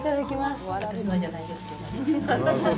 私のじゃないですけど。